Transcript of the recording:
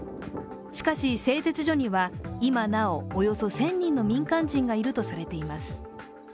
しかし、製鉄所には、今なお１０００人の民間人がいるとされています。